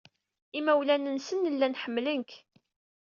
Imawlan-nsen llan ḥemmlen-k.